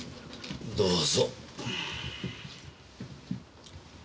どうぞ。